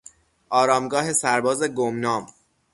آرامگاه سرباز گمنام